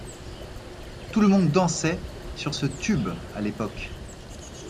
Tout le monde dansait sur ce tube à l'époque.